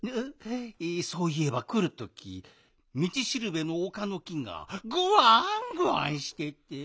そういえばくるときみちしるべのおかの木がぐわんぐわんしてて。